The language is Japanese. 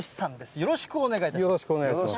よろしくお願いします。